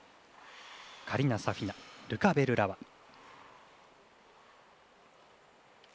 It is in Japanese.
カリナ・サフィナルカ・ベルラワ。